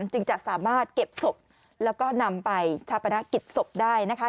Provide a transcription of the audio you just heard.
จึงจะสามารถเก็บศพแล้วก็นำไปชาปนกิจศพได้นะคะ